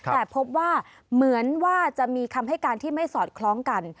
แต่พบว่าเหมือนว่าจะมีคำให้การที่ไม่สอดคล้องกัน